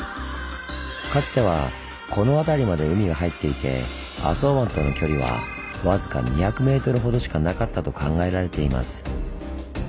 かつてはこの辺りまで海が入っていて浅茅湾との距離は僅か２００ｍほどしかなかったと考えられています。